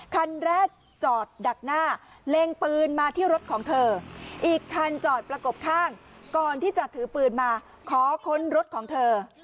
คันแรกจอดดักหน้าเล็งปืนมาที่รถของเธออีกคันจอดประกบข้างก่อนที่จะถือปืนมาขอค้นรถของเธอ